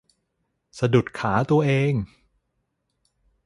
สะดุดขาตัวเอง